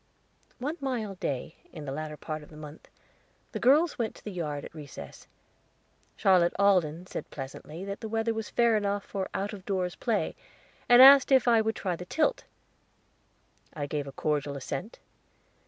One mild day, in the latter part of the month, the girls went to the yard at recess. Charlotte Alden said pleasantly that the weather was fair enough for out of doors play, and asked if I would try the tilt. I gave a cordial assent.